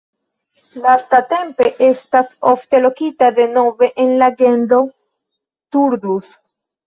Lastatempe estas ofte lokita denove en la genro "Turdus".